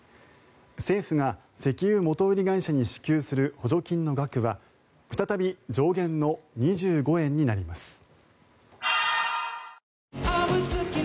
政府が石油元売り会社に支給する補助金の額は再び上限の２５円になります。